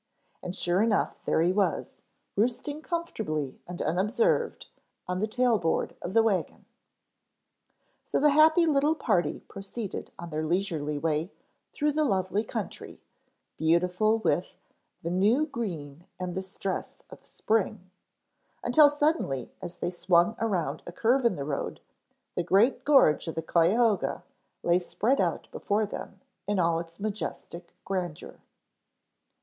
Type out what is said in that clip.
And sure enough there he was, roosting comfortably and unobserved on the tail board of the wagon. So the happy little party proceeded on their leisurely way through the lovely country, beautiful with "the new green and the stress of spring," until suddenly as they swung around a curve in the road, the great gorge of the Cuyahoga lay spread out before them in all its majestic grandeur.